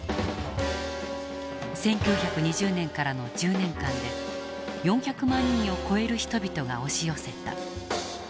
１９２０年からの１０年間で４００万人を超える人々が押し寄せた。